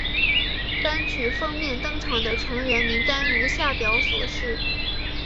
单曲封面登场的成员名单如下表所示。